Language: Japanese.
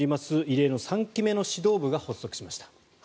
異例の３期目の指導部が発足しました。